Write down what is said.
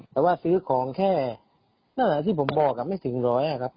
แต่ว่าซื้อของแค่นั่นแหละที่ผมบอกไม่ถึงร้อยครับ